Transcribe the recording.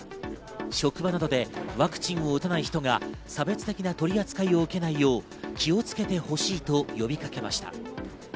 職場などでワクチンを打たない人が差別的な取り扱いを受けないよう、気をつけてほしいとを呼びかけました。